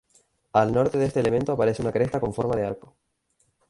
Al norte de este elemento aparece una cresta con forma de arco.